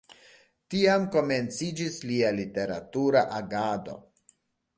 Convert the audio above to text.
Tiam komenciĝis lia literatura agado.